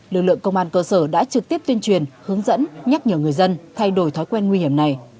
lực lượng công an cơ sở đã trực tiếp tuyên truyền hướng dẫn nhắc nhở người dân thay đổi thói quen nguy hiểm này